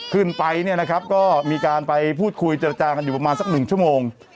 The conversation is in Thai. ขึ้นไปเนี่ยนะครับก็มีการไปพูดคุยเจรจากันอยู่ประมาณสักหนึ่งชั่วโมง